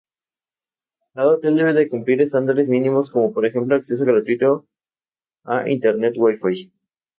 Este periódico se reconoce por ser esencialmente popular e independiente políticamente.